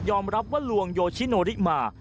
รับว่าลวงโยชิโนริมา